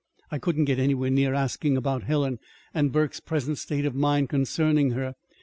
I couldn't get anywhere near asking about Helen, and Burke's present state of mind concerning her.